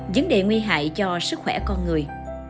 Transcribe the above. vấn đề nguy hại cho sức khỏe con người